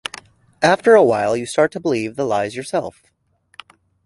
After a while, you start to believe the lies yourself.